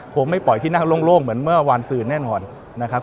ไม่ปล่อยที่นั่งโล่งเหมือนเมื่อวานสื่อแน่นอนนะครับ